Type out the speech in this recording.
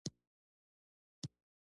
سلیمان غر د طبیعي زیرمو یوه برخه ده.